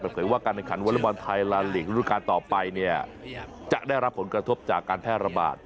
เผยว่าการแข่งขันวอเล็กบอลไทยและลีกระดูกาลต่อไปเนี่ยจะได้รับผลกระทบจากการแพร่ระบาด